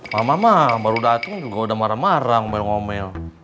mama mama baru datang juga udah marah marah ngomel ngomel